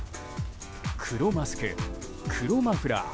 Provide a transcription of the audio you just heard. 黒マスク、黒マフラー